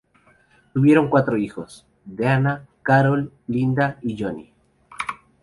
Tuvieron cuatro hijos: Deanna, Carol, Linda y Johnny.